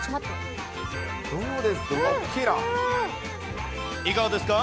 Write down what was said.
どうですか？